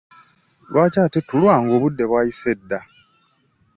Lwaki ate tulwa ng'obudde bwayise dda?